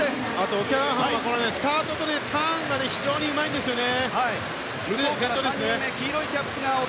オキャラハンはスタートとターンが非常にうまいんですよね。